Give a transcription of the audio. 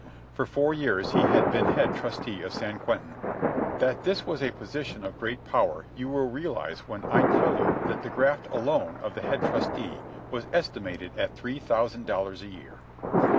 For four years he had been head trusty of San Quentin. That this was a position of great power you will realize when I tell you that the graft alone of the head trusty was estimated at three thousand dollars a year.